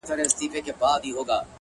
هوډ د سختو ورځو ملګری دی